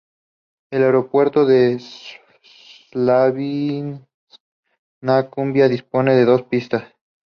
El aeropuerto de Slaviansk-na-Kubani dispone de dos pistas.